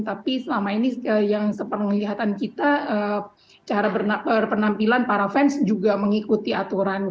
tapi selama ini yang sepenuh kelihatan kita cara penampilan para fans juga mengikuti aturan